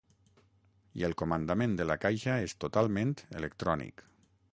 I el comandament de la caixa és totalment electrònic.